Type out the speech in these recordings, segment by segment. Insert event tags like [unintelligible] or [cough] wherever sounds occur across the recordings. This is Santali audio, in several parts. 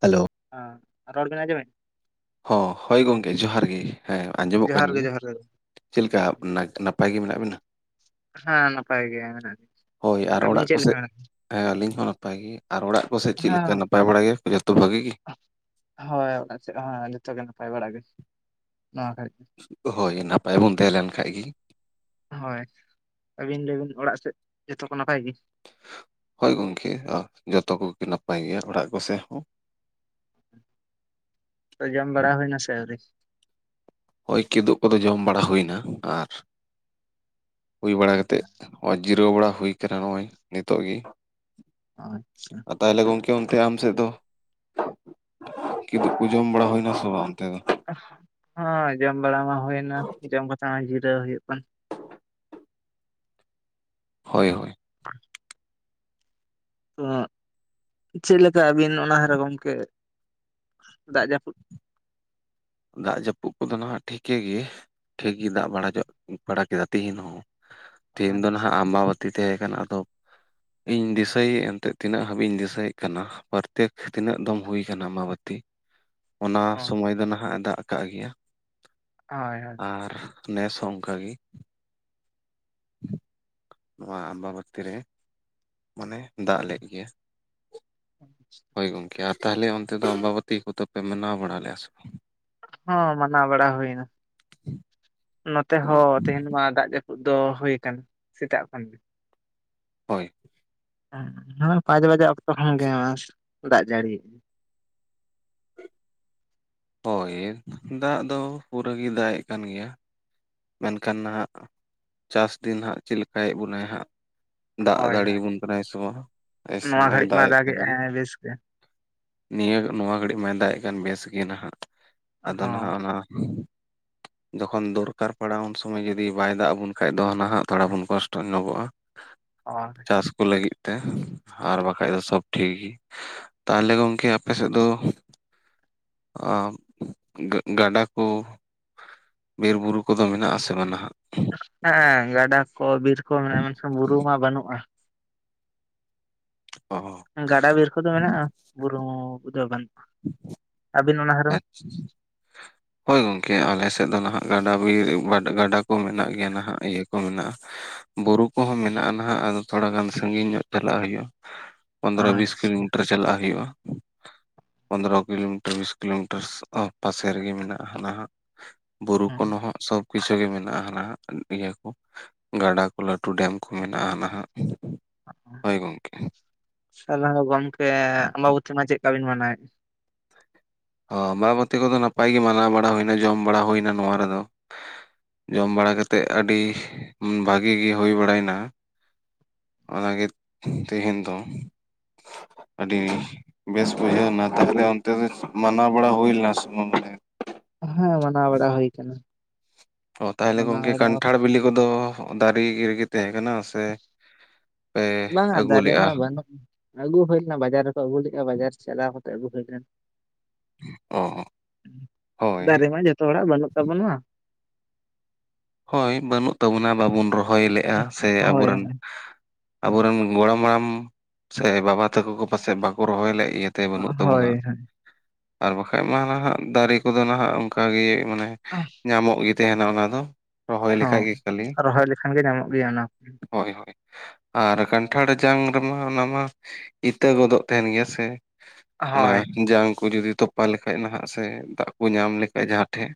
ᱦᱮᱞᱳ ᱚ ᱨᱚᱲ ᱵᱮ ᱟᱸᱡᱚᱢᱮᱱ ᱦᱚᱸ ᱦᱳᱭ ᱜᱚᱢᱠᱮ ᱡᱚᱦᱟᱨ ᱜᱮ ᱦᱮᱸ ᱟᱸᱡᱚᱢᱚᱜ ᱠᱟᱱ ᱡᱚᱦᱟᱨ ᱜᱮ ᱜᱮᱭᱟ ᱡᱚᱦᱟᱨ ᱜᱮ ᱪᱮᱫ ᱞᱮᱠᱟ ᱱᱟᱜ ᱱᱟᱯᱟᱭ ᱜᱮ ᱢᱮᱱᱟᱜ ᱵᱤᱱᱟ ᱦᱮᱸ ᱱᱟᱯᱟᱭ ᱜᱮ ᱢᱮᱱᱟᱜ ᱞᱤᱧ ᱦᱳᱭ ᱟᱨ ᱟᱹᱵᱤᱱ ᱚᱲᱟᱜ ᱪᱮᱫ ᱞᱮᱠᱟ ᱠᱚᱥᱮᱫ ᱢᱮᱱᱟᱜ ᱵᱤᱱᱟ ᱦᱮᱸ ᱟᱹᱞᱤᱧ ᱦᱚᱸ ᱱᱟᱯᱟᱭ ᱜᱮ ᱟᱨ ᱚᱲᱟᱜ ᱠᱚᱥᱮᱫ ᱪᱮᱫ ᱞᱮᱠᱟ ᱦᱮᱸ ᱱᱟᱯᱟᱭ ᱵᱟᱲᱟ ᱜᱮᱭᱟ ᱠᱚ ᱡᱚᱛᱚ ᱵᱷᱟᱜᱤ ᱜᱮ ᱦᱳᱭ ᱚᱲᱟᱜ ᱥᱮᱫ ᱦᱚᱸ ᱡᱚᱛᱚ ᱜᱮ ᱱᱟᱯᱟᱭ ᱵᱟᱲᱟ ᱜᱮ ᱱᱚᱣᱟ ᱜᱷᱟᱲᱤᱡ ᱦᱳᱭ ᱱᱟᱯᱟᱭ ᱵᱚᱱ ᱛᱟᱦᱮᱸ ᱞᱮᱱ ᱠᱷᱟᱡ ᱜᱮ ᱦᱳᱭ ᱟᱹᱵᱤᱱ ᱞᱮᱭᱵᱤᱱ ᱚᱲᱟᱜ ᱥᱮᱫ ᱡᱷᱚᱛᱚ ᱠᱚ ᱱᱟᱯᱟᱭ ᱜᱮ ᱦᱳᱭ ᱜᱚᱝᱠᱮ ᱡᱚᱛᱚ ᱠᱚᱜᱮ ᱱᱟᱯᱟᱭ ᱜᱮᱭᱟ ᱚᱲᱟᱜ ᱠᱚᱥᱮᱫ ᱦᱚᱸ ᱛᱚ ᱡᱚᱢ ᱵᱟᱲᱟ ᱦᱩᱭᱱᱟ ᱥᱮ ᱟᱶᱨᱤ ᱱᱚᱜᱚᱭ ᱠᱤᱫᱩᱵ ᱠᱚᱫᱚ ᱡᱚᱢ ᱵᱟᱲᱟ ᱦᱩᱭᱱᱟ ᱟᱨ ᱦᱩᱭ ᱵᱟᱲᱟ ᱠᱟᱛᱮᱫ ᱱᱚᱜ-ᱚᱭ ᱡᱤᱨᱟᱹᱣ ᱵᱟᱲᱟ ᱦᱩᱭ ᱟᱠᱟᱱᱟ ᱱᱚᱜᱼᱚᱭ ᱱᱤᱛᱚᱜ ᱜᱮ ᱟᱪᱪᱷᱟ ᱛᱟᱦᱚᱞᱮ ᱜᱚᱝᱠᱮ ᱚᱱᱛᱮ ᱟᱢ ᱥᱮᱫ ᱫᱚ ᱠᱤᱫᱩᱵ ᱠᱚ ᱡᱚᱢ ᱵᱟᱲᱟ ᱦᱩᱭᱱᱟ ᱥᱮ ᱵᱟᱝ ᱚᱱᱛᱮ ᱫᱚ ᱦᱸ ᱡᱚᱢ ᱵᱟᱲᱟ ᱢᱟ ᱦᱩᱭᱱᱟ ᱡᱚᱢ ᱠᱟᱛᱮ ᱱᱚᱜ-ᱚᱭ ᱡᱤᱨᱟᱹᱣ ᱦᱩᱭᱩᱜ ᱠᱟᱱᱟ ᱦᱳᱭ ᱦᱳᱭ [inaudible] ᱛᱚ ᱪᱮᱫ ᱞᱮᱠᱟ ᱟᱹᱵᱤᱱ ᱚᱱᱟ ᱫᱷᱟᱨᱮ ᱜᱚᱢᱠᱮ ᱫᱟᱜ ᱡᱟᱹᱯᱩᱫ ᱫᱟᱜ ᱡᱟᱹᱯᱩᱫ ᱠᱚᱫᱚ ᱱᱟᱦᱟᱜ ᱴᱷᱤᱠᱮ ᱜᱮ ᱴᱷᱤᱠ ᱜᱮ ᱫᱟᱜ ᱵᱟᱲᱟ ᱡᱚᱜ ᱵᱟᱲᱟ ᱠᱮᱫᱟ ᱛᱤᱦᱤᱧ ᱦᱚᱸ ᱛᱤᱦᱤᱧ ᱦᱳᱭ ᱫᱚ ᱱᱟᱦᱟᱜ ᱟᱢᱵᱟᱵᱚᱛ ᱛᱤ ᱛᱟᱦᱮᱸ ᱠᱟᱱᱟ ᱟᱫᱚ ᱤᱧ ᱫᱤᱥᱟᱹᱭᱮᱫ ᱮᱱᱛᱮ ᱛᱤᱱᱟᱹᱜ ᱦᱟᱹᱵᱤᱡᱧ ᱫᱤᱥᱟᱹᱭᱮᱫ ᱠᱟᱱᱟ ᱯᱨᱚᱛᱮᱠ ᱛᱤᱱᱟᱹᱜ ᱫᱚᱢ ᱦᱩᱭ ᱟᱠᱟᱱᱟ ᱟᱢᱵᱟᱵᱚᱛᱤ ᱚᱱᱟ ᱥᱚᱢᱚᱭ ᱫᱚ ᱱᱟᱦᱟᱜ ᱮ ᱫᱟᱜ ᱟᱠᱟᱜ ᱜᱮᱭᱟ ᱦᱳᱭ ᱦᱳᱭ ᱟᱨ ᱱᱮᱥ ᱦᱚᱸ ᱚᱱᱠᱟ ᱜᱮ᱾ ᱱᱚᱣᱟ ᱟᱢᱵᱟᱵᱟᱛᱤ ᱨᱮ ᱢᱟᱱᱮ ᱫᱟᱜ ᱞᱮᱫ ᱜᱮᱭᱟ ᱦᱳᱭ ᱜᱚᱝᱠᱮ ᱟᱨ ᱛᱟᱦᱚᱞᱮ ᱚᱱᱛᱮ ᱫᱚ ᱟᱢᱵᱟᱵᱚᱛᱤ ᱠᱚ ᱫᱚ ᱯᱮ ᱢᱟᱱᱟᱣ ᱵᱟᱲᱟ ᱞᱮᱭᱟ ᱥᱮ ᱵᱟᱝ? ᱦᱚᱸ ᱢᱟᱱᱟᱣ ᱵᱟᱲᱟ ᱦᱩᱭᱱᱟ ᱱᱚᱛᱮ ᱵᱟᱝ ᱦᱚᱸ ᱛᱮᱦᱮᱧ ᱢᱟ ᱫᱟᱜ ᱡᱟᱹᱯᱩᱫ ᱫᱚ ᱦᱩᱭᱩᱭ ᱠᱟᱱ ᱥᱮᱛᱟᱜ ᱠᱷᱚᱱ ᱜᱮ᱾ ᱦᱳᱭ᱾ ᱮᱸ ᱦᱮᱸ ᱯᱟᱸᱪ ᱵᱟᱡᱟ ᱚᱠᱛᱚ ᱠᱷᱟᱱ ᱜᱮ ᱫᱟᱜ ᱡᱟᱹᱲᱤ᱾ ᱦᱳᱭ ᱫᱟᱜ ᱫᱚ ᱯᱩᱨᱟᱹ ᱜᱮ ᱫᱟᱜᱼᱮᱜ ᱠᱟᱱ ᱜᱮᱭᱟ᱾ ᱢᱮᱱᱠᱷᱟᱱ ᱱᱟᱦᱟᱸᱜ ᱪᱟᱥ ᱫᱤᱱ ᱦᱟᱸᱜ ᱪᱮᱫ ᱞᱮᱠᱟᱭᱮᱫ ᱵᱚᱱᱟᱭ ᱦᱟᱸᱜ᱾ ᱫᱟᱜ ᱦᱳᱭ ᱫᱟᱲᱮᱭ ᱦᱳᱭ ᱟᱵᱚᱱ ᱠᱟᱱᱟᱭ ᱥᱮ ᱵᱟ ᱦᱟ ᱱᱚᱣᱟ ᱚᱥᱚᱢᱚᱭ ᱜᱷᱟᱹᱲᱤᱡ ᱮ ᱢᱟ ᱫᱟᱜ ᱮᱫ ᱠᱟᱱ ᱜᱮ ᱫᱟᱜᱮᱜᱼᱟᱭ ᱵᱮᱥ ᱜᱮ ᱱᱤᱭᱟᱹ ᱱᱚᱣᱟ ᱜᱷᱟᱹᱲᱤᱡ ᱢᱟᱭ ᱫᱟᱭᱮᱜ ᱠᱟᱱ ᱵᱮᱥ ᱜᱮ ᱱᱟᱦᱟᱜ᱾ ᱟᱫᱚ ᱦᱚᱸ ᱱᱟᱦᱟᱜ ᱚᱱᱟ ᱡᱚᱠᱷᱚᱱ ᱫᱚᱨᱠᱟᱨ᱾ ᱯᱟᱲᱟᱣ ᱩᱱ ᱥᱚᱢᱚᱭ ᱡᱩᱫᱤ ᱵᱟᱭ ᱫᱟᱜ ᱟᱵᱚᱱ ᱠᱷᱟᱡ ᱫᱚ ᱱᱟᱦᱟᱜ ᱛᱷᱚᱲᱟ ᱵᱚᱱ ᱠᱚᱥᱴᱚ ᱧᱚᱜᱚᱜᱼᱟ᱾ ᱚ᱾ ᱪᱟᱥ ᱠᱚ ᱞᱟᱹᱜᱤᱫ ᱛᱮ ᱟᱨ ᱵᱟᱠᱷᱟᱡ ᱫᱚ ᱥᱚᱵ ᱴᱷᱤᱠ ᱜᱤ᱾ ᱛᱟᱦᱚᱞᱮ ᱜᱚᱝᱠᱮ ᱟᱯᱮ ᱥᱮᱫ ᱫᱚ ᱚ ᱜᱟ-ᱜᱟᱰᱟ ᱠᱚ, ᱵᱤᱨ ᱵᱩᱨᱩ ᱠᱚᱫᱚ ᱢᱮᱱᱟᱜᱼᱟ ᱥᱮ ᱵᱟ ᱱᱟᱦᱟᱜ? ᱦᱮᱸ ᱜᱟᱰᱟ ᱠᱚ ᱵᱤᱨ ᱠᱚ ᱢᱮᱱᱟᱜᱼᱟ ᱢᱮᱱ ᱵᱩᱨᱩ ᱢᱟ ᱵᱟᱹᱱᱩᱜᱼᱟ᱾ ᱚ᱾ ᱜᱟᱰᱟ ᱵᱤᱨ ᱠᱚᱫᱚ ᱢᱮᱱᱟᱜᱼᱟ, ᱵᱩᱨᱩ ᱠᱚᱫᱚ ᱵᱟᱹᱱᱩᱜᱼᱟ, ᱟᱹᱵᱤᱱ ᱚᱱᱟ ᱫᱷᱟᱨᱮ ᱫᱚ? [inaudible] ᱦᱳᱭ ᱜᱚᱝᱠᱮ ᱟᱞᱮ ᱥᱮᱫ ᱫᱚ ᱱᱟᱦᱟᱜ ᱜᱟᱰᱟ ᱵᱤᱨ ᱜᱟᱰᱟ ᱠᱚ ᱢᱮᱱᱟᱜ ᱜᱮᱭᱟ ᱱᱟᱦᱟᱜ ᱤᱭᱟᱹ ᱠᱚ ᱢᱮᱱᱟᱜᱼᱟ᱾ ᱵᱩᱨᱩ ᱠᱚᱦᱚᱸ ᱢᱮᱱᱟᱜᱼᱟ ᱱᱟᱦᱟᱜ ᱟᱫᱚ ᱛᱷᱚᱲᱟ ᱜᱟᱱ ᱥᱟᱹᱜᱤᱧ ᱧᱚᱜ ᱪᱟᱞᱟᱜ ᱦᱩᱭᱩᱜᱼᱟ᱾ ᱯᱚᱱᱫᱽᱨᱚ ᱵᱤᱥ ᱟᱪᱪᱷᱟ ᱠᱤᱞᱳᱢᱤᱴᱟᱨ ᱪᱟᱞᱟᱜ ᱦᱩᱭᱩᱜᱼᱟ, ᱯᱚᱱᱫᱽᱨᱚ ᱠᱤᱞᱳᱢᱤᱴᱟᱨ ᱵᱤᱥ ᱠᱤᱞᱳᱢᱤᱴᱟᱨ ᱥᱚ ᱟ ᱯᱟᱥᱮ ᱨᱮᱜᱮ ᱢᱮᱱᱟᱜᱼᱟ ᱦᱟᱱᱟ ᱦᱟᱸᱜ ᱵᱩᱨᱩ ᱠᱷᱚᱱ ᱦᱮᱸ ᱦᱚ ᱥᱚᱵ ᱠᱩᱭᱥᱟ ᱜᱮ ᱢᱮᱱᱟᱜᱼᱟ ᱦᱟᱱᱟᱜ ᱤᱭᱟᱹ ᱠᱚ ᱜᱟᱰᱟ ᱠᱚ ᱞᱟᱹᱴᱩ ᱰᱮᱢ ᱠᱚ ᱢᱮᱱᱟᱜᱼᱟ ᱱᱟᱦᱟᱜ᱾ ᱦᱳᱭ ᱜᱚᱝᱠᱮ᱾ ᱛᱟᱦᱚᱞᱮ ᱦᱚ ᱜᱚᱢᱠᱮ ᱟᱢᱵᱟᱵᱚᱛᱤ ᱢᱟ ᱪᱮᱫᱠᱟ ᱵᱤᱱ ᱢᱟᱱᱟᱣᱟ ᱮᱫᱟ? ᱚ ᱟᱢᱵᱟᱵᱚᱛᱤ ᱠᱚᱫᱚ ᱱᱟᱯᱟᱭ ᱜᱮ ᱢᱟᱱᱟᱣ ᱵᱟᱲᱟ ᱦᱩᱭᱱᱟ ᱡᱚᱢ ᱵᱟᱲᱟ ᱦᱩᱭᱱᱟ ᱱᱚᱣᱟ ᱨᱮᱫᱚ᱾ ᱡᱚᱢ ᱵᱟᱲᱟ ᱠᱟᱛᱮᱜ ᱟᱹᱰᱤ ᱵᱷᱟᱜᱮ ᱜᱮ ᱦᱩᱭ ᱵᱟᱲᱟᱭ ᱱᱟ᱾ ᱚᱱᱟ ᱜᱮ ᱛᱮᱦᱮᱧ ᱫᱚ ᱟᱹᱰᱤ᱾ ᱵᱮᱥ ᱵᱩᱡᱷᱟᱹᱣ ᱱᱟ ᱛᱟᱦᱞᱮ ᱚᱱᱛᱮ ᱫᱚ ᱢᱟᱱᱟᱣ ᱵᱟᱲᱟ ᱦᱩᱭ ᱞᱮᱱᱟ ᱥᱮ ᱵᱟᱝ? ᱦᱮᱸ ᱢᱟᱱᱟᱣ ᱵᱟᱲᱟ ᱦᱩᱭ ᱠᱟᱱᱟ᱾ ᱚ ᱛᱟᱦᱚᱞᱮ ᱢᱟᱱᱟᱣ ᱜᱚᱝᱠᱮ ᱵᱟᱲᱟ ᱠᱟᱱᱴᱷᱟᱲ ᱵᱤᱞᱤ ᱠᱚᱫᱚ ᱫᱟᱨᱮ ᱨᱮᱜᱮ ᱛᱟᱦᱮᱸ ᱠᱟᱱᱟ ᱥᱮ ᱥᱮ ᱯᱮ ᱵᱟᱝᱟ ᱟᱹᱜᱩ ᱫᱟᱨᱮ ᱞᱮᱜᱼᱟ? ᱢᱟ ᱵᱟᱹᱱᱩᱜ ᱟᱹᱜᱩ ᱦᱩᱭ ᱞᱮᱱᱟ ᱵᱟᱡᱟᱨ ᱨᱮᱠᱚ ᱟᱹᱜᱩ ᱞᱮᱜᱼᱟ ᱵᱟᱡᱟᱨ ᱪᱟᱞᱟᱣ ᱠᱟᱛᱮ ᱟᱹᱜᱩ ᱦᱩᱭ ᱞᱮᱱᱟ᱾ ᱚ ᱚ᱾ ᱦᱳᱭ ᱫᱟᱨᱮ ᱢᱟ ᱡᱷᱚᱛᱚ ᱦᱚᱲᱼᱟᱜ ᱵᱟᱹᱱᱩᱜ ᱛᱟᱵᱚᱱᱟ᱾ ᱦᱳᱭ ᱵᱟᱹᱱᱩᱜ ᱛᱟᱵᱚᱱᱟ ᱵᱟᱵᱚᱱ ᱨᱚᱦᱚᱭ ᱞᱮᱜᱼᱟ ᱥᱮ ᱟᱵᱚ ᱦᱳᱭ ᱨᱮᱱ ᱟᱵᱚᱨᱮᱱ ᱜᱚᱲᱚᱢ ᱦᱟᱲᱟᱢ ᱥᱮ ᱵᱟᱵᱟ ᱛᱟᱠᱚ ᱠᱚ ᱯᱟᱥᱮᱫ ᱵᱟᱠᱚ ᱨᱚᱦᱚᱭ ᱞᱮᱜ ᱮᱭᱟ ᱦᱳᱭ ᱦᱳᱭ᱾ ᱟᱨ ᱵᱟᱠᱷᱟᱡ ᱢᱟ ᱱᱟᱦᱟᱜ ᱫᱟᱨᱮ ᱠᱚᱫᱚ ᱱᱟᱦᱟᱜ ᱚᱱᱠᱟ ᱜᱮ ᱢᱟᱱᱮ ᱟᱦ᱾ ᱧᱟᱢᱚᱜ ᱜᱮ ᱛᱟᱦᱮᱱᱼᱟ ᱚᱱᱟ ᱫᱚ᱾ ᱨᱚᱦᱚᱭ ᱦᱚᱸ ᱞᱮᱠᱷᱟᱡ ᱜᱮ ᱠᱷᱟᱹᱞᱤ ᱨᱚᱦᱚᱭ ᱞᱮᱠᱷᱟᱱ ᱜᱮ ᱧᱟᱢᱚᱜ ᱜᱮᱭᱟ ᱚᱱᱟ ᱠᱚ᱾ ᱦᱳᱭ ᱦᱳᱭ ᱟᱨ ᱠᱟᱱᱴᱷᱟᱲ ᱡᱟᱝ ᱨᱮᱢᱟ ᱚᱱᱟᱢᱟ ᱤᱛᱟᱹ ᱜᱚᱫᱚᱜ ᱛᱟᱦᱮᱱ ᱜᱮᱭᱟ ᱥᱮ ᱚᱱᱟ ᱦᱳᱭ ᱡᱟᱝ ᱠᱚ ᱡᱩᱫᱤ ᱛᱚᱯᱟ ᱞᱮᱠᱷᱟᱡ ᱱᱟᱦᱟᱜ ᱥᱮ ᱫᱟᱜ ᱠᱚ ᱧᱟᱢ ᱞᱮᱠᱷᱟᱡ ᱡᱟᱦᱟᱸ ᱴᱷᱮᱡ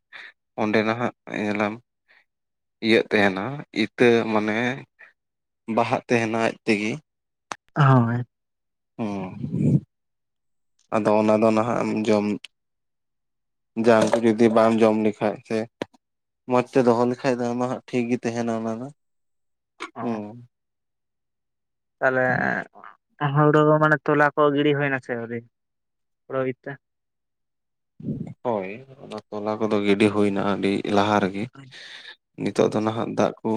ᱚᱸᱰᱮ ᱱᱟᱦᱟᱜ ᱡᱟᱱᱟᱢ ᱤᱭᱟᱹᱜ ᱛᱟᱭᱟᱦᱱᱼᱟ ᱤᱛᱟᱹ ᱢᱟᱱᱮ ᱵᱟᱦᱟᱜ ᱛᱟᱦᱮᱱᱼᱟ ᱟᱡ ᱛᱮᱜᱮ ᱦᱳᱭ ᱦᱩᱸ ᱟᱫᱚ ᱚᱱᱟ ᱫᱚ ᱱᱟᱦᱟᱜ ᱮᱢ ᱡᱚᱢ ᱡᱟᱦᱟᱸ ᱠᱚ ᱡᱩᱫᱤ ᱵᱟᱢ ᱡᱚᱢ ᱞᱮᱠᱷᱟᱡ ᱥᱮ ᱢᱚᱸᱡᱽ ᱛᱮ ᱫᱚᱦᱚ ᱞᱮᱠᱷᱟᱱ ᱫᱚ ᱚᱱᱟ ᱫᱚ ᱦᱟᱸᱜ ᱴᱷᱤᱠ ᱜᱮ ᱛᱟᱦᱮᱱᱟ ᱚᱱᱟ ᱫᱚ ᱦᱚᱸ ᱾ ᱦᱩᱸ ᱛᱟᱦᱮᱞ ᱦᱩᱲᱩ ᱢᱟᱱᱮ ᱛᱚᱞᱟ ᱠᱚ ᱜᱤᱲᱤ ᱦᱩᱭᱱᱟᱥᱮ ᱟᱹᱣᱨᱤ ᱦᱩᱲᱩ ᱠᱷᱮᱛᱮ? ᱦᱳᱭ ᱚᱱᱟ ᱛᱚᱞᱟ ᱠᱚᱫᱚ ᱜᱤᱰᱤ ᱦᱩᱭᱱᱟ ᱟᱹᱰᱤ ᱞᱟᱦᱟ ᱨᱮᱜᱮ ᱟᱨ ᱠᱤ ᱱᱤᱛᱚᱜ ᱫᱚ ᱟᱪᱪᱷᱟ ᱱᱟᱦᱟᱜ ᱫᱟᱜ ᱠᱚ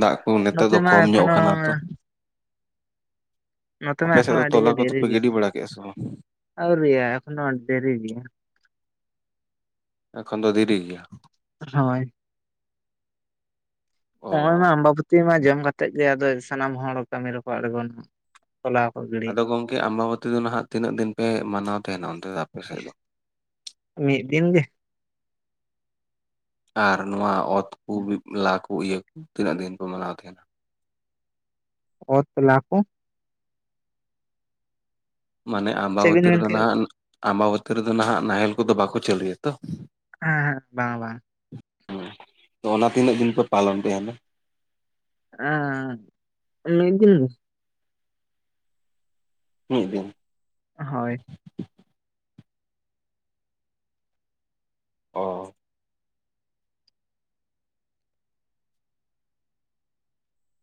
ᱫᱟᱜ ᱠᱚ ᱱᱮᱛᱟᱨ ᱱᱚᱛᱮ ᱫᱚ ᱢᱟ ᱠᱚᱢ ᱧᱚᱜ ᱮᱠᱷᱚᱱᱳ ᱠᱟᱱᱟ ᱛᱚ ᱱᱚᱛᱮ ᱢᱟ ᱟᱯᱮ ᱥᱮᱫ ᱮᱠᱷᱚᱱ ᱫᱚ ᱟᱹᱰᱤᱜᱮ ᱛᱚᱞᱟ ᱠᱚᱫᱚ ᱫᱮᱨᱤ ᱯᱮ ᱜᱤᱰᱤ ᱜᱮᱭᱟ ᱵᱟᱲᱟ ᱠᱮᱜᱼᱟ ᱥᱮ ᱵᱟᱝ ᱟᱹᱣᱨᱤ ᱮᱠᱷᱚᱱ ᱫᱨᱤ ᱜᱮᱭᱟ ᱾ ᱮᱠᱷᱚᱱ ᱫᱚ ᱫᱤᱨᱤ ᱜᱮᱭᱟ ᱾ ᱦᱳᱭ ᱾ ᱱᱚᱜᱼᱚᱭ ᱢᱟ ᱚ ᱟᱢᱵᱟ ᱵᱟᱹᱛᱤ ᱢᱟ ᱡᱚᱢ ᱠᱟᱛᱮᱜ ᱜᱮ ᱟᱫᱚ ᱥᱟᱱᱟᱢ ᱦᱚᱲ ᱠᱟᱹᱢᱤ ᱨᱮᱠᱚ ᱟᱬᱜᱚᱱᱟᱚᱜ ᱦᱳᱞᱟ ᱠᱷᱚᱱᱜᱮ ᱟᱫᱚ ᱜᱚᱝᱠᱮ ᱟᱢᱵᱟᱵᱟᱹᱛᱤ ᱫᱚ ᱱᱟᱦᱟᱜ ᱛᱤᱱᱟᱹᱜ ᱫᱤᱱ ᱯᱮ ᱢᱟᱱᱟᱣ ᱛᱟᱦᱮᱱᱟ ᱚᱱᱛᱮ ᱫᱚ ᱟᱯᱮ ᱥᱮᱫ ᱫᱚ? ᱢᱤᱫ ᱫᱤᱱ ᱜᱮ ᱟᱨ ᱱᱚᱣᱟ ᱚᱛᱠᱚ ᱵᱤᱫᱞᱟ ᱠᱚ ᱤᱭᱟᱹ ᱠᱚ ᱛᱤᱱᱟᱹᱜ ᱫᱤᱱ ᱠᱚ ᱢᱟᱱᱟᱣ ᱛᱟᱦᱮᱱᱟ ᱚᱛ ᱞᱟᱠᱚ ᱦᱚᱸ ᱢᱟᱱᱮ ᱪᱮᱫ ᱵᱤᱱ ᱟᱢᱵᱟᱵᱚᱛᱤ ᱢᱮᱱ ᱨᱮᱫᱚ ᱠᱮᱫ ᱱᱟᱦᱟᱜ ᱟᱢᱵᱟᱵᱚᱛᱤ ᱨᱮᱫᱚ ᱱᱟᱦᱟᱜ ᱱᱟᱦᱮᱞ ᱠᱚᱫᱚ ᱵᱟᱠᱚ ᱪᱟᱹᱞᱩᱭᱟᱛᱚ ᱦᱮᱸ ᱦᱮᱸ ᱵᱟᱝ ᱵᱟᱝ ᱦᱮᱸ ᱚᱱᱟ ᱛᱤᱱᱟᱹᱜ ᱫᱤᱱ ᱯᱮ ᱯᱟᱞᱚᱱ ᱛᱟᱦᱮᱸᱱᱟ? [unintelligible] ᱢᱤᱫ ᱫᱤᱱ ᱦᱳᱭ ᱚ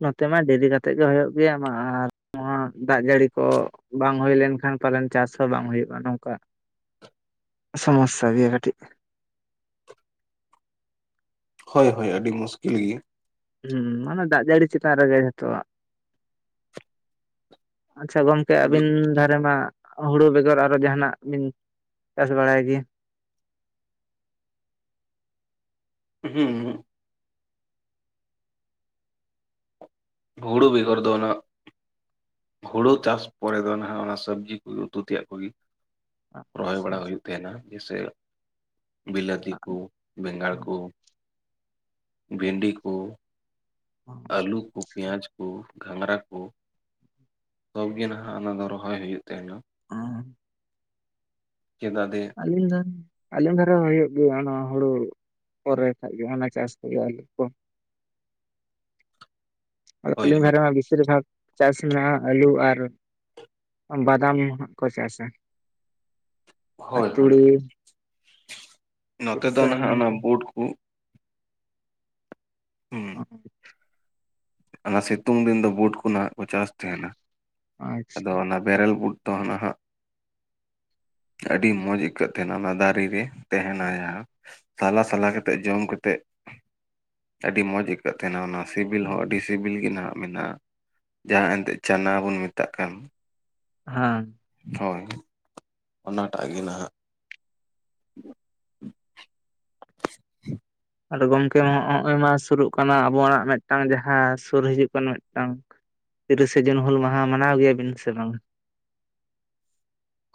ᱱᱚᱛᱮ ᱢᱟ ᱫᱮᱨᱤ ᱠᱟᱛᱮᱫ ᱜᱮ ᱦᱩᱭᱩᱜ ᱜᱮᱭᱟ ᱢᱟ ᱟᱨ ᱱᱚᱣᱟ ᱫᱟᱜ ᱡᱟᱹᱲᱤ ᱠᱚ ᱵᱟᱝ ᱦᱩᱭ ᱞᱮᱱᱠᱷᱟᱱ ᱯᱟᱞᱮᱱ ᱪᱟᱥ ᱦᱚᱸ ᱵᱟᱝ ᱦᱩᱭᱩᱜᱼᱟ ᱱᱚᱝᱠᱟ [unintelligible] ᱥᱟᱢᱚᱥᱟ ᱜᱮᱭᱟ ᱠᱟᱴᱤᱜ ᱦᱳᱭ ᱦᱳᱭ ᱟᱹᱰᱤ ᱢᱩᱥᱠᱤᱞ ᱜᱮ ᱦᱩᱸ ᱢᱟᱱᱮ ᱫᱟᱜ ᱡᱟᱹᱲᱤ ᱪᱮᱛᱟᱱ ᱨᱮᱜᱮ ᱡᱚᱛᱚᱣᱟᱜ ᱟᱪᱪᱷᱟ ᱜᱚᱝᱠᱮ ᱟᱹᱵᱤᱱ ᱫᱷᱟᱨᱮᱱᱟᱜ ᱦᱩᱲᱩ ᱵᱮᱜᱚᱨ ᱟᱨᱚ ᱡᱟᱦᱟᱱᱟᱜ ᱵᱤᱱ ᱪᱟᱥ ᱵᱟᱲᱟᱭ ᱜᱮᱭᱟ? ᱦᱩᱸ ᱦᱩᱲᱩ ᱵᱮᱜᱚᱨ ᱫᱚ ᱩᱱᱟᱹᱜ ᱦᱩᱲᱩ ᱪᱟᱥ ᱯᱚᱨᱮ ᱫᱚ ᱟᱜ ᱚᱱᱟ ᱥᱚᱵᱽᱡᱤ ᱠᱚᱜᱮ ᱩᱛᱩ ᱛᱮᱭᱟᱜ ᱠᱚᱜᱮ ᱾ ᱟᱪᱪᱷᱟ ᱨᱚᱦᱚᱭ ᱵᱟᱲᱟ ᱦᱩᱭᱩᱜ ᱛᱟᱦᱮᱱᱟ ᱡᱮᱭᱥᱮ ᱾ ᱵᱤᱞᱟᱹᱛᱤ ᱠᱚ, ᱵᱮᱸᱜᱟᱲ ᱠᱚ, ᱵᱷᱮᱱᱰᱤ ᱠᱚ, ᱟᱪᱪᱷᱟ, ᱟᱹᱞᱩ ᱠᱚ, ᱯᱮᱸᱭᱟᱡᱽ ᱠᱚ, ᱜᱷᱟᱸᱝᱽᱨᱟ ᱠᱚ, ᱡᱷᱚᱛᱜᱮ ᱱᱟᱦᱟᱜ ᱚᱱᱟ ᱫᱚ ᱨᱚᱦᱚᱭ ᱦᱩᱭᱩᱜ ᱛᱟᱦᱮᱱᱟ ᱾ ᱦᱚᱸ ᱪᱮᱫᱟᱛᱮ? ᱟᱹᱞᱤᱧ ᱫᱚ ᱟᱹᱞᱤᱧ ᱫᱷᱟᱨᱮ ᱦᱩᱭᱩᱜ ᱜᱮᱭᱟ ᱚᱱᱟ ᱦᱩᱲᱩ ᱯᱚᱨᱮ ᱠᱷᱟᱡ ᱜᱮ ᱦᱟᱱᱟ ᱪᱟᱥ ᱠᱚᱜᱮ ᱟᱹᱞᱩ ᱠᱚ ᱦᱳᱭ ᱟᱹᱞᱤᱧ ᱦᱳᱭ ᱫᱷᱟᱨᱮ ᱢᱟ ᱵᱤᱥᱤᱨ ᱵᱷᱟᱜ ᱪᱟᱥ ᱢᱮᱱᱟᱜᱼᱟ ᱟᱹᱞᱩ ᱟᱨ ᱵᱟᱫᱟᱢ ᱦᱟᱸᱜ ᱠᱚ ᱪᱟᱥ ᱟ ᱾ ᱦᱳᱭ ᱦᱳᱭ ᱛᱩᱲᱤ ᱱᱚᱛᱮ ᱫᱚ ᱥᱚᱨᱥᱟ ᱱᱟᱦᱟᱜ ᱮᱢᱟᱱ ᱚᱱᱟ ᱵᱩᱴ ᱠᱚ ᱦᱩᱸ [inaudible] ᱚ ᱚᱱᱟ ᱥᱤᱛᱩᱝ ᱫᱤᱱ ᱫᱚ ᱵᱩᱴ ᱠᱚ ᱱᱟᱦᱟᱜ ᱠᱚ ᱪᱟᱥ ᱛᱟᱸᱦᱮᱱᱟ ᱟᱪᱪᱷᱟ ᱟᱫᱚ ᱚᱱᱟ ᱵᱮᱨᱮᱞ ᱵᱩᱴ ᱫᱚ ᱱᱟᱦᱟᱜ ᱟᱹᱰᱤ ᱢᱚᱸᱡᱽ ᱟᱹᱭᱠᱟᱹᱜ ᱛᱟᱸᱦᱮᱱᱟ ᱚᱱᱟ ᱫᱟᱨᱮ ᱨᱮ ᱛᱟᱸᱦᱮᱱᱟ ᱡᱟᱦᱟᱸ ᱥᱟᱞᱟ ᱥᱟᱞᱟ ᱠᱟᱛᱮᱫ ᱡᱚᱢᱠᱚᱛᱮ ᱟᱹᱰᱤ ᱢᱚᱸᱡᱽ ᱟᱹᱭᱠᱟᱹᱜ ᱛᱟᱦᱮᱸᱱᱟ ᱚᱱᱟ ᱾ ᱥᱤᱵᱤᱞ ᱦᱚᱸ ᱟᱹᱰᱤ ᱥᱤᱵᱤᱞ ᱜᱮ ᱱᱟᱦᱟᱜ ᱢᱮᱱᱟᱜᱼᱟ ᱡᱟᱦᱟᱸ ᱮᱱᱛᱮᱫ ᱪᱟᱱᱟ ᱵᱚᱱ ᱢᱮᱛᱟᱜ ᱠᱟᱱ ᱾ ᱦᱟᱸ ᱦᱳᱭ ᱚᱱᱟᱴᱟᱜ ᱜᱮ ᱱᱟᱦᱟᱜ ᱟᱫᱚ ᱜᱚᱢᱠᱮ ᱦᱚ-ᱚᱜ ᱢᱟ ᱥᱩᱨᱩᱜ ᱠᱟᱱᱟ ᱟᱵᱚᱣᱟᱜ ᱢᱤᱫᱴᱟᱝ ᱡᱟᱦᱟᱸ ᱥᱩᱨ ᱦᱤᱡᱩᱜ ᱠᱟᱱ ᱢᱤᱫᱴᱟᱝ ᱛᱤᱨᱤᱥᱮ ᱡᱩᱱ ᱦᱩᱞ ᱢᱟᱦᱟ ᱢᱟᱱᱟᱣ ᱜᱮᱭᱟᱵᱤᱱ ᱥᱮ ᱵᱟᱝ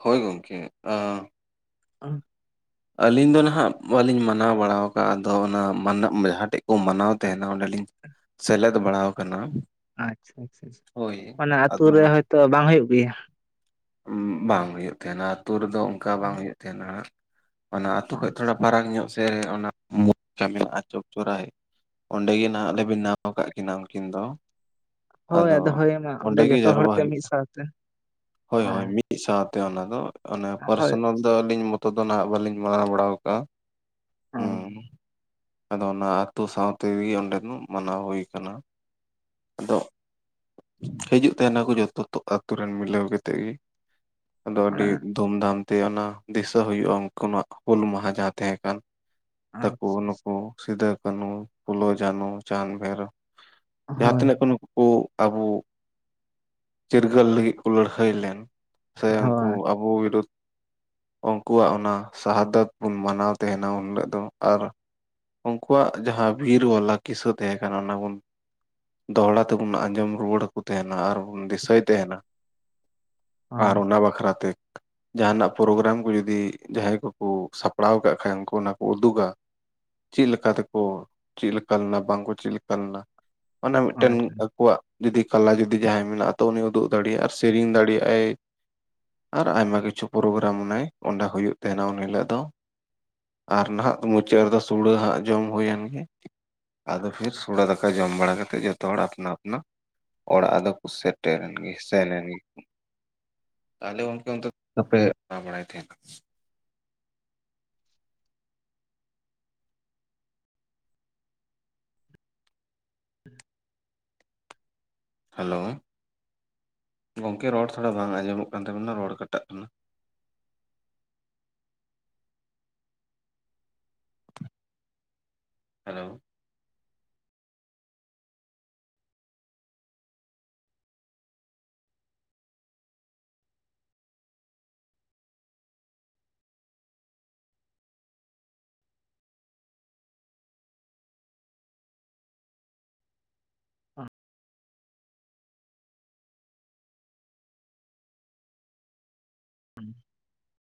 ᱦᱳᱭ ᱜᱚᱢᱠᱮ ᱟᱺ ᱟᱺ ᱟᱹᱞᱤᱧ ᱫᱚ ᱱᱟᱦᱟᱜ ᱵᱟᱹᱞᱤᱧ ᱢᱟᱱᱟᱣ ᱵᱟᱲᱟᱟᱣ ᱠᱟᱜᱼᱟ ᱟᱫᱚ ᱚᱱᱟ ᱢᱟᱱᱟᱜ ᱡᱟᱦᱟᱸᱴᱷᱮᱡ ᱠᱚ ᱢᱟᱱᱟᱣ ᱛᱟᱦᱮᱸᱱᱟ ᱚᱸᱰᱮᱞᱤᱧ ᱥᱮᱞᱮᱫ ᱵᱟᱲᱟᱣ ᱠᱟᱱᱟ ᱟᱪᱪᱷᱟ ᱟᱪᱪᱷᱟ ᱟᱪᱪᱷᱟ ᱚᱱᱟ ᱟᱹᱛᱩ ᱨᱮ ᱦᱳᱭᱛᱳ ᱵᱟᱝ ᱦᱩᱭᱩᱜ ᱜᱮᱭᱟ ᱦᱩᱸ ᱵᱟᱝ ᱦᱩᱭᱩᱜ ᱛᱟᱦᱮᱸᱱᱟ ᱟᱹᱛᱩ ᱨᱮᱫᱚ ᱚᱱᱠᱟ ᱵᱟᱝ ᱦᱩᱭᱩᱜ ᱛᱟᱦᱮᱸᱱᱟ ᱚᱱᱟ ᱟᱹᱛᱩ ᱠᱷᱚᱱ ᱛᱷᱚᱲᱟ ᱟᱪᱪᱷᱟ ᱯᱷᱟᱨᱟᱠ ᱧᱚᱜ ᱥᱮ... [unintelligible] ᱚᱸᱰᱮ ᱜᱮ ᱱᱟᱦᱟᱜ ᱞᱮ ᱵᱮᱱᱟᱣ ᱟᱠᱟᱫ ᱠᱤᱱᱟ ᱩᱱᱠᱤᱱ ᱫᱚ ᱦᱳᱭ ᱟᱫᱚ ᱦᱳᱭ ᱢᱟ ᱚᱸᱰᱮ ᱜᱮ ᱡᱚᱛᱚ ᱡᱟᱣᱨᱟ ᱦᱚᱲ ᱛᱮ ᱢᱤᱫ ᱦᱩᱭᱩᱜᱼᱟ ᱥᱟᱶᱛᱮ ᱦᱳᱭ ᱚ ᱦᱳᱭ ᱢᱤᱫ ᱢᱤᱫ ᱥᱟᱶᱛᱮ ᱚᱱᱟ ᱫᱚ ᱚᱱᱟ ᱦᱳᱭ ᱯᱟᱨᱥᱚᱱᱟᱞ ᱫᱚ ᱟᱹᱞᱤᱧ ᱢᱚᱛᱚ ᱫᱚ ᱱᱟᱦᱟᱜ ᱵᱟᱹᱞᱤᱧ ᱢᱟᱱᱟᱣ ᱵᱟᱲᱟ ᱟᱠᱟᱜᱼᱟ ᱚ ᱦᱩᱸ ᱟᱫᱚ ᱚᱱᱟ ᱟᱹᱛᱩᱳ ᱥᱟᱶ ᱛᱮᱜᱮ ᱚᱸᱰᱮᱱᱟᱜ ᱢᱟᱱᱟᱣ ᱦᱩᱭ ᱠᱟᱱᱟ ᱟᱫᱚ ᱦᱤᱡᱩᱜ ᱛᱟᱦᱮᱱᱟᱠᱚ ᱡᱚᱛ... [unintelligible] ᱟᱛᱳ ᱨᱮᱱ ᱢᱤᱞᱟᱹᱣ ᱠᱟᱛᱮᱫ ᱜᱮ ᱟᱫᱚ ᱚᱱᱟ ᱟᱹᱰᱤ ᱫᱷᱩᱢᱫᱷᱟᱢ ᱛᱮ ᱚᱱᱟ ᱫᱤᱥᱟᱹ ᱦᱩᱭᱩᱜᱼᱟ ᱩᱱᱠᱩᱱᱟᱜ ᱦᱩᱞ ᱢᱟᱦᱟ ᱡᱟᱦᱟᱸ ᱛᱟᱦᱮᱸ ᱠᱟᱱ ᱛᱟᱠᱩ ᱟᱪᱪᱷᱟ ᱱᱩᱠᱩ ᱟᱪᱪᱷᱟ ᱥᱤᱫᱟᱹ ᱠᱟᱱᱦᱩ ᱯᱷᱳᱞᱳ ᱡᱷᱟᱱᱚ ᱪᱟᱸᱫᱽ ᱵᱷᱮᱭᱨᱚᱵ ᱡᱟᱦᱟᱸ ᱦᱳᱭ ᱛᱤᱱᱟᱹᱜ ᱠᱳ ᱱᱩᱠᱩ ᱠᱩ ᱟᱵᱚ ᱪᱤᱨᱜᱟᱹᱞ ᱞᱟᱹᱜᱤᱫ ᱠᱚ ᱞᱟᱹᱲᱦᱟᱹᱭ ᱞᱮᱱ ᱥᱮ ᱩᱱᱠᱩ ᱦᱳᱭ ᱟᱵᱚ ᱵᱤᱨᱩᱫ ᱩᱱᱠᱩᱣᱟᱜ ᱚᱱᱟ ᱥᱟᱦᱟᱫᱚᱛ ᱵᱚᱱ ᱢᱟᱱᱟᱣ ᱛᱟᱦᱮᱸᱱ ᱱᱟᱭᱟ ᱩᱱ ᱦᱤᱞᱳᱜ ᱫᱚ ᱟᱨ ᱩᱱᱠᱩᱣᱟᱜ ᱡᱟᱦᱟ ᱵᱤᱨᱵᱟᱞᱟ ᱠᱤᱥᱟᱹ ᱛᱟᱦᱮᱸ ᱠᱟᱱᱟ ᱚᱱᱟ ᱵᱚᱱ ᱫᱚᱦᱲᱟ ᱛᱮᱵᱚᱱ ᱟᱸᱡᱚᱢ ᱨᱩᱣᱟᱹᱲ ᱟᱠᱚ ᱛᱟᱦᱮᱸᱱᱟ ᱟᱨ ᱵᱚᱱ ᱫᱤᱥᱟᱹᱭ ᱛᱟᱦᱮᱸᱱᱟ ᱟᱨ ᱦᱳᱭ ᱚᱱᱟ ᱵᱟᱠᱷᱨᱟ ᱛᱮ ᱡᱟᱦᱟᱸᱱᱟᱜ ᱯᱨᱳᱜᱨᱟᱢ ᱠᱚ ᱡᱩᱫᱤ ᱡᱟᱦᱟᱸᱭ ᱠᱚᱠᱚ ᱥᱟᱯᱲᱟᱣ ᱠᱟᱜ ᱠᱷᱟᱱ ᱚᱱᱟ ᱠᱚ ᱩᱫᱩᱜᱟ ᱪᱮᱫ ᱞᱮᱠᱟ ᱛᱮᱠᱚ ᱪᱮᱫ ᱞᱮᱠᱟ ᱞᱮᱱᱟ ᱵᱟᱝ ᱠᱚ ᱪᱮᱫ ᱞᱮᱠᱟ ᱞᱮᱱᱟ ᱚᱱᱟ ᱢᱤᱫᱴᱮᱱ ᱟᱹ ᱦᱳᱭ ᱟᱠᱚᱣᱟᱜ ᱡᱩᱫᱤ ᱠᱟᱞᱟ ᱡᱩᱫᱤ ᱡᱟᱦᱟᱸᱭ ᱢᱮᱱᱟᱜ ᱛᱚ ᱩᱱᱤ ᱩᱫᱩᱜ ᱫᱟᱲᱮᱭᱟᱜᱟᱭ ᱟᱨ ᱥᱮᱨᱮᱧ ᱫᱟᱲᱮᱭᱟᱜᱼᱟᱭ ᱟᱨ ᱟᱭᱢᱟ ᱠᱤᱪᱷᱩ ᱯᱨᱳᱜᱨᱟᱢ ᱢᱮᱱᱟᱜ-ᱟ ᱠᱳᱱᱰᱟᱠ ᱦᱳᱭᱳᱜ ᱛᱟᱦᱮᱸᱱᱟ ᱩᱱ ᱦᱤᱞᱳᱜ ᱫᱚ ᱟᱨ ᱱᱟᱦᱟᱜ ᱢᱩᱪᱟᱹᱫ ᱨᱮᱫᱚ ᱥᱩᱲᱟᱹ ᱦᱟᱸᱜ ᱡᱚᱢ ᱦᱩᱭᱮᱱ ᱜᱮ ᱟᱫᱚ ᱯᱷᱤᱨ ᱥᱩᱲᱮ ᱫᱟᱠᱟ ᱡᱚᱢ ᱵᱟᱲᱟ ᱠᱟᱛᱮᱜ ᱡᱷᱚᱛᱚ ᱦᱚᱲ ᱟᱯᱱᱟ ᱟᱯᱱᱟ ᱚᱲᱟᱜ ᱫᱚᱠᱚ ᱥᱮᱴᱮᱨᱮᱱ ᱜᱮ ᱥᱮᱱ ᱮᱱ ᱜᱮ ᱛᱟᱦᱟᱞᱮ ᱜᱚᱝᱠᱮ ᱚᱱᱛᱮ... [unintelligible] ᱟᱯᱮ ᱢᱟᱱᱟᱣ ᱵᱟᱲᱟᱭ ᱥᱮ ᱵᱟᱝ ᱦᱮᱞᱳ ᱜᱚᱢᱠᱮ ᱨᱚᱲ ᱛᱷᱚᱲᱟ ᱵᱟᱝ ᱟᱸᱡᱚᱢᱚᱜ ᱠᱟᱱ ᱛᱟᱵᱮᱱᱟ ᱨᱚᱲ ᱠᱟᱴᱟᱜ ᱠᱟᱱᱟ ᱦᱮᱞᱳ [inaudible] [inaudible]